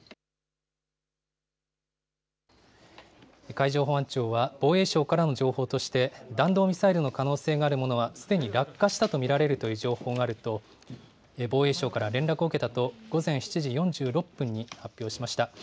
海上保安庁は防衛省からの情報として、弾道ミサイルの可能性があるものは、すでに落下したと見られるという情報があると防衛省から連絡を受けたと、午前７時４６分に発表しました。